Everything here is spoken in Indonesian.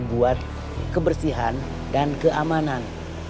buat kebersihan dan keamanan